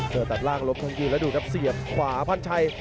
เจอแต่ล่างรบทางยืนแล้วดูครับเสียบขวาพันชาย